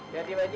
siap ji pak ji